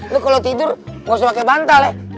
lu kalau tidur gak usah pakai bantal ya